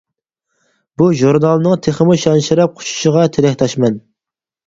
بۇ ژۇرنالنىڭ تېخىمۇ شان-شەرەپ قۇچۇشىغا تىلەكداشمەن.